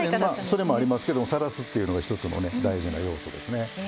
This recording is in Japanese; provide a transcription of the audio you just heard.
それもありますけどさらすというのが一つの大事な要素ですね。